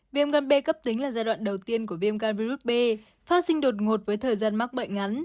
viêm gan b cấp tính là giai đoạn đầu tiên của viêm gan virus b phát sinh đột ngột với thời gian mắc bệnh ngắn